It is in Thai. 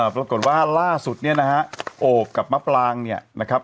ปรากฏว่าล่าสุดเนี่ยนะฮะโอบกับมะปรางเนี่ยนะครับ